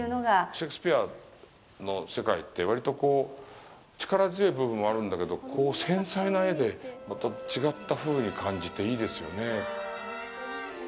シェイクスピアの世界って、割とこう力強い部分もあるんだけど、こう繊細な絵で、また違ったふうに感じて、いいですよね。